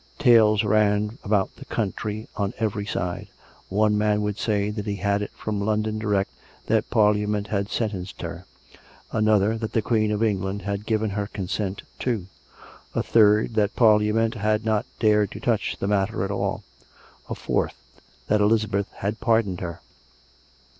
Tales ran about the country on every side. One man would say that he had it from London direct that Parliament had sentenced her; another that the Queen of England had given her consent too; a third, that Parlia ment had not dared to touch the matter at all; a fourth, that Elizabeth had pardoned her.